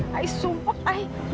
saya sumpah ayah